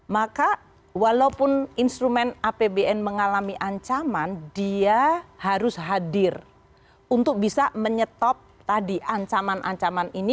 maka walaupun instrumen apbn mengalami ancaman dia harus hadir untuk bisa menyetop tadi ancaman ancaman ini